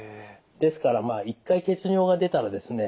ですから一回血尿が出たらですね